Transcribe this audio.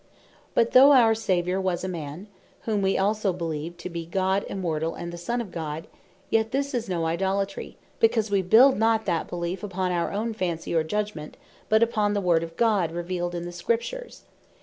But though our Saviour was a man, whom wee also beleeve to bee God Immortall, and the Son of God; yet this is no Idolatry; because wee build not that beleef upon our own fancy, or judgment, but upon the Word of God revealed in the Scriptures.